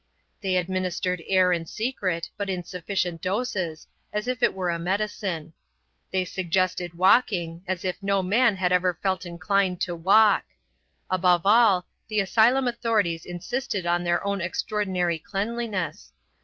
They administered air in secret, but in sufficient doses, as if it were a medicine. They suggested walking, as if no man had ever felt inclined to walk. Above all, the asylum authorities insisted on their own extraordinary cleanliness.